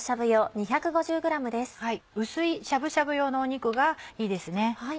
薄いしゃぶしゃぶ用の肉がいいですね。